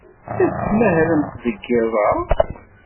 La tettmahalemt deg yiḍ-a?